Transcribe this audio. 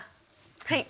はい。